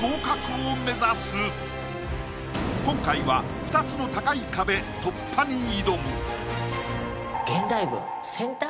今回は２つの高い壁突破に挑む！